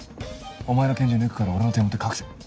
お前の拳銃抜くから俺の手元隠せ。